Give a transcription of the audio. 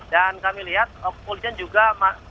dan kami lihat kepolisian juga